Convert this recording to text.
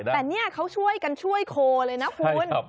แต่นี่เขาช่วยกันช่วยโคเลยนะคุณ